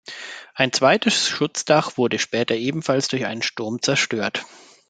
Ein zweites Schutzdach wurde später ebenfalls durch einen Sturm zerstört.